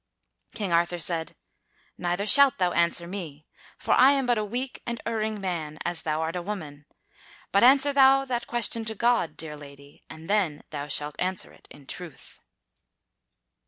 King Arthur said: "Neither shalt thou answer me, for I am but a weak and erring man as thou art a woman. But answer thou that question to God, dear lady, and then thou shalt answer it in truth."